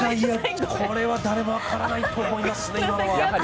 今のは誰も分からないと思いますね。